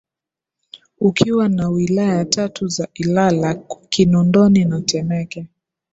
ukiwa na Wilaya tatu za Ilala Kinondoni na Temeke